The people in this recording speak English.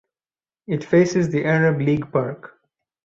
It faces the Arab League Park.